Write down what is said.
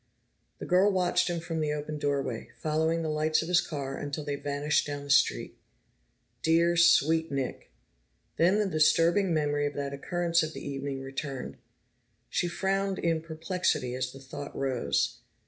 The girl watched him from the open doorway, following the lights of his car until they vanished down the street. Dear, sweet Nick! Then the disturbing memory of that occurrence of the evening returned; she frowned in perplexity as the thought rose.